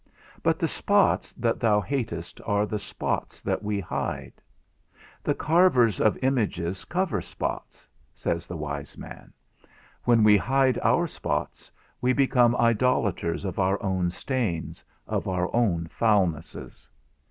But the spots that thou hatest are the spots that we hide. The carvers of images cover spots, says the wise man; when we hide our spots, we become idolators of our own stains, of our own foulnesses.